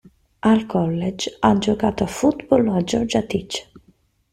Al college ha giocato a football a Georgia Tech.